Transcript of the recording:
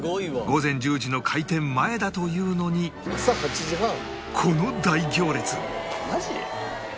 午前１０時の開店前だというのにこの大行列！